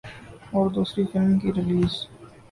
اور دوسری فلم کی ریلیز